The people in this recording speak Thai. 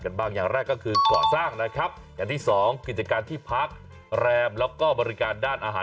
บ้างอย่างแรกก็คือก่อสร้างนะครับอย่างที่สองกิจการที่พักแรมแล้วก็บริการด้านอาหาร